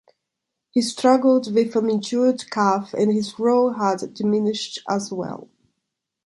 He struggled with an injured calf and his role had diminished as well.